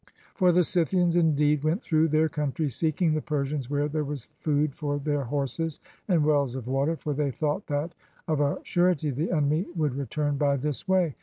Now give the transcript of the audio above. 345 PERSIA For the Scythians indeed went through their country seeking the Persians where there was food for their horses and wells of water, for they thought that of a surety the enemy would return by this way.